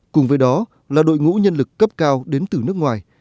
cùng với đó là đội ngũ nhân lực cấp cao đến từ nước ngoài